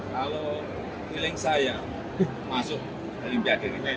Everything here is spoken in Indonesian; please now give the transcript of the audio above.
kalau feeling saya masuk ke olimpiade ini